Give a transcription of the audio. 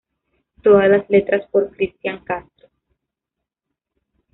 Todas las letras por Cristián Castro.